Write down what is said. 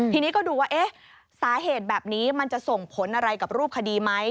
ทีนี้ก็ดูว่าสาเหตุแบบนี้มันจะส่งผลอะไรกับรูปคดีไหม